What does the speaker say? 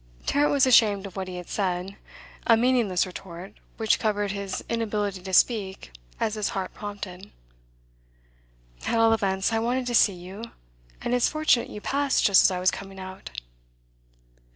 Tarrant was ashamed of what he had said a meaningless retort, which covered his inability to speak as his heart prompted. 'At all events I wanted to see you, and it's fortunate you passed just as I was coming out.